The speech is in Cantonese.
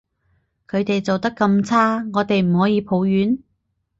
佢哋做得咁差，我哋唔可以抱怨？